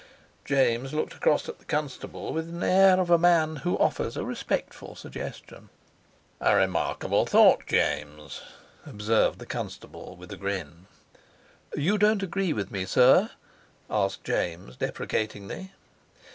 James looked across at the constable with an air of a man who offers a respectful suggestion. "A remarkable thought, James," observed the constable with a grin. "You don't agree with me, sir?" asked James deprecatingly.